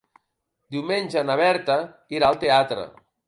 Diumenge na Berta irà al teatre.